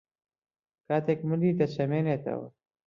کاتێک ملی دەچەمێنێتەوە